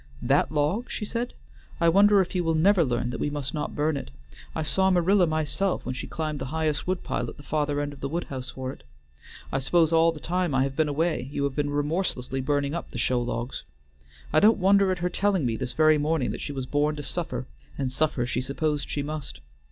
"That log?" she said, "I wonder if you will never learn that we must not burn it? I saw Marilla myself when she climbed the highest wood pile at the farther end of the wood house for it. I suppose all the time I have been away you have been remorselessly burning up the show logs. I don't wonder at her telling me this very morning that she was born to suffer, and suffer she supposed she must.